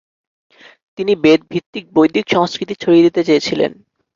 তিনি বেদ ভিত্তিক বৈদিক সংস্কৃতি ছড়িয়ে দিতে চেয়েছিলেন।